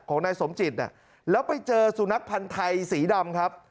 ของนายสมจิตเนี่ยแล้วไปเจอสุนัขพันธ์ไทยสีดำครับ